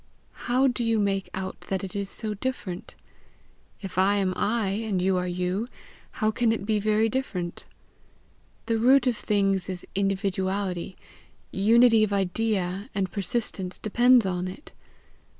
"How do you make out that it is so different? If I am I, and you are you, how can it be very different? The root of things is individuality, unity of idea, and persistence depends on it.